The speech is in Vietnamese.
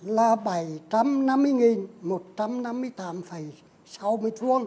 là bảy trăm năm mươi một trăm năm mươi tám sáu m hai